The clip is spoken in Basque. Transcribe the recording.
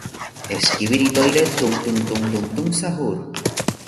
Honen euskal hitzaldia hasi da.